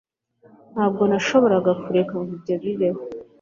ntabwo nashoboraga kureka ngo ibyo bibeho